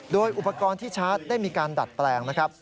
โดยอุปกรณ์ที่ชาร์จได้มีการดัดแปลงนะครับ